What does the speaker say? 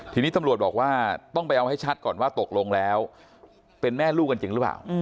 ทีนี้ตำรวจบอกว่าต้องไปเอาให้ชัดก่อนว่าตกลงแล้วเป็นแม่ลูกกันจริงหรือเปล่า